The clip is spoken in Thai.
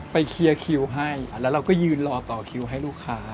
เคลียร์คิวให้แล้วเราก็ยืนรอต่อคิวให้ลูกค้า